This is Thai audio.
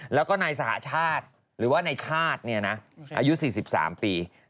แล้วก็นายสหชาติหรือว่านายชาติอายุ๔๓ปี